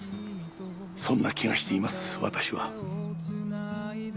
そんな気がしています私は。